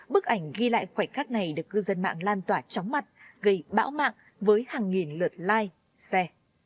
bức ảnh ghi lại khoảnh khắc này được cư dân mạng lan tỏa chóng mặt gây bão mạng với hàng nghìn lượt like share